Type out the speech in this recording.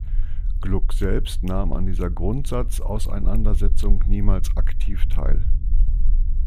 Gluck selbst nahm an dieser Grundsatz-Auseinandersetzung niemals aktiv teil.